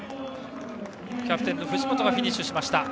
キャプテンの藤本がフィニッシュしました。